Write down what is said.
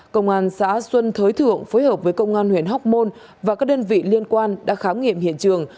công an xã xuân thới thượng phối hợp với công an huyện hóc môn và các đơn vị liên quan đã khám nghiệm hiện trường